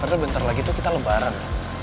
karena bentar lagi tuh kita lebaran